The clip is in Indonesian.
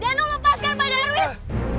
danung lepaskan pada erwis